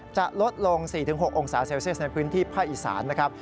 จะลดลง๔๖องศาเซลเซียสในพื้นที่ภาคอีสานนะครับ